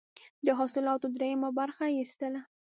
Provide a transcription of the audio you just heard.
د حاصلاتو دریمه برخه اخیستله.